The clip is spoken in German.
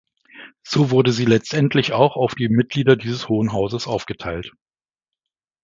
So wurde sie letztendlich auch auf die Mitglieder dieses Hohen Hauses aufgeteilt.